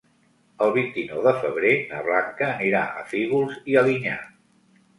El vint-i-nou de febrer na Blanca anirà a Fígols i Alinyà.